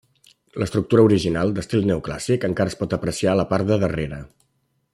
L'estructura original, d'estil neoclàssic, encara es pot apreciar a la part de darrere.